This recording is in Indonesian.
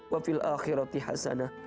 wa fil akhirati hasana